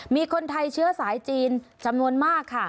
มีคนไทยเชื้อสายจีนจำนวนมากค่ะ